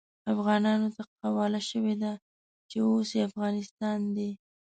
افغانانو ته قواله شوې ده چې اوس يې افغانستان دی.